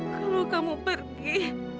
kalau kamu pergi